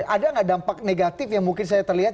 ada nggak dampak negatif yang mungkin saya terlihat